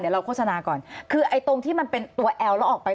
เดี๋ยวเราโฆษณาก่อนคือไอ้ตรงที่มันเป็นตัวแอลแล้วออกไป